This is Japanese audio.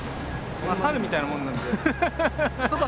男はサルみたいなもんなんで。